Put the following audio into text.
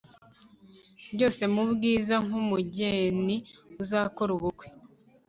Byose mubwiza nkumugeniuzakora ubukwe